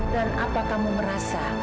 dan apa kamu merasa